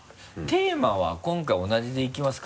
テーマは今回同じでいきます？